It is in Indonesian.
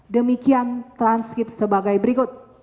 demikian transkip sebagai berikut